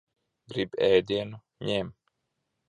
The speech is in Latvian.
Gribi ēdienu? Ņem.